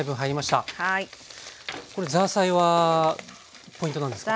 これザーサイはポイントなんですか？